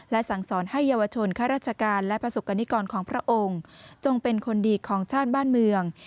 และประสุกรณิกรของพระองค์จงเป็นคนดีของชาติบ้านเมือง